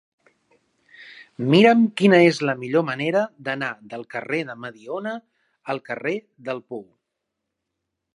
Mira'm quina és la millor manera d'anar del carrer de Mediona al carrer del Pou.